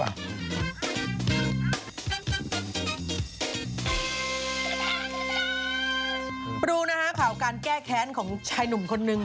มาดูนะคะการแก้แค้นของชายหนุ่มคนนึง